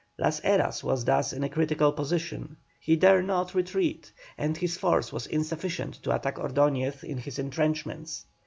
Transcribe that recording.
Las Heras was thus in a critical position; he dare not retreat, and his force was insufficient to attack Ordoñez in his entrenchments.